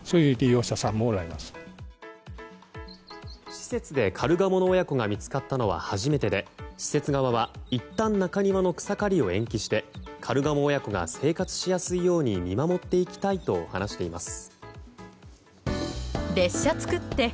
施設でカルガモの親子が見つかったのは初めてで施設側はいったん中庭の草刈りを延期してカルガモ親子が生活しやすいように見守っていきたいと話しています。